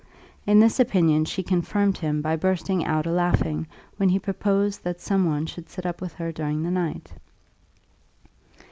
In this opinion she confirmed him by bursting out a laughing when he proposed that some one should sit up with her during the night.